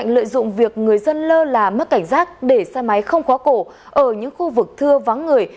lợi dụng việc người dân lơ là mất cảnh giác để xe máy không khóa cổ ở những khu vực thưa vắng người